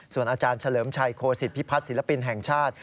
ส่วนอาจารย์เฉลิมชัยโคศิษฐพิพัฒน์ศิลปินแห่งชาติ